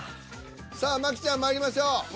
さあ麻貴ちゃんまいりましょう。